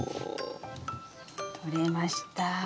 とれました。